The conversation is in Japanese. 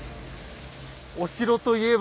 お城といえば。